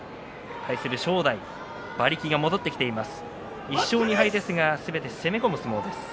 対する正代馬力は戻ってきています。